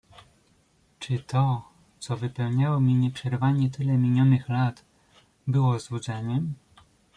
"Czy to, co wypełniało mi nieprzerwanie tyle minionych lat, było złudzeniem?"